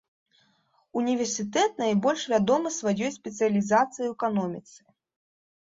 Універсітэт найбольш вядомы сваёй спецыялізацыяй у эканоміцы.